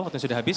kami sudah habis